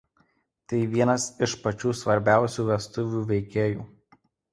Tai vienas iš pačių svarbiausių vestuvių veikėjų.